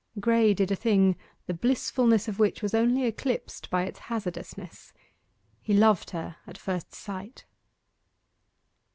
Graye did a thing the blissfulness of which was only eclipsed by its hazardousness. He loved her at first sight.